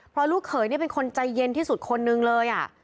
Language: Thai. พอรู้เขยเป็นคนใจเย็นที่สุดคนนึงเลย